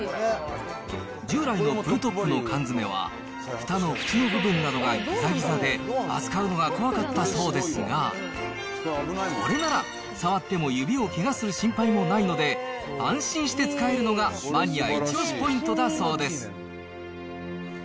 従来のプルトップの缶詰は、ふたの縁の部分などがぎざぎざで、扱うのが怖かったそうですが、これなら、触っても指をけがする心配もないので、安心して使えるのがマニア一押しポイントだそうです。